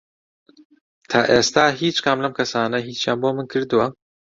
تا ئێستا هیچ کام لەم کەسانە هیچیان بۆ من کردووە؟